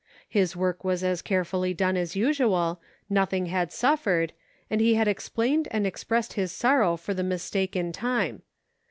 His work was as carefully done as usual, nothing had suffered, and he had explained and expressed his sorrow for the mis take in time.